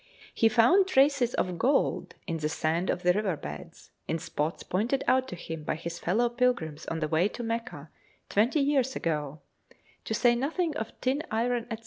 He found traces of gold in the sand of the river beds, in spots pointed out to him by his fellow pilgrims on the way to Mecca twenty years ago, to say nothing of tin, iron, &c.